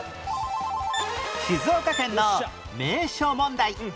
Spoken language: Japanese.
静岡県の名所問題